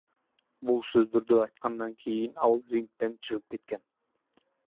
Бул сөздөрдү айткандан кийин ал рингден чыгып кеткен.